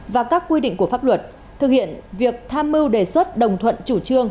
và các quy định của pháp luật thực hiện việc tham mưu đề xuất đồng thuận chủ trương